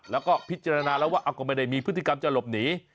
แล้วก็พิจารณาแล้วว่าก็ไม่ได้มีพฤติกรรมจะหลบหนี